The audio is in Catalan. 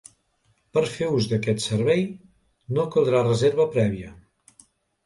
Per fer ús d’aquest servei no caldrà reserva prèvia.